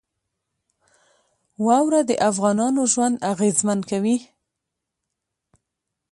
واوره د افغانانو ژوند اغېزمن کوي.